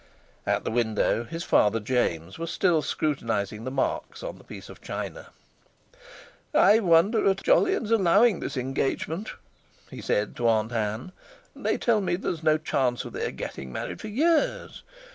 At the window his father, James, was still scrutinizing the marks on the piece of china. "I wonder at Jolyon's allowing this engagement," he said to Aunt Ann. "They tell me there's no chance of their getting married for years.